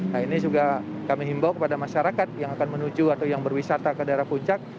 nah ini juga kami himbau kepada masyarakat yang akan menuju atau yang berwisata ke daerah puncak